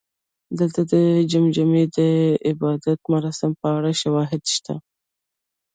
دلته د جمجمې د عبادت مراسمو په اړه شواهد شته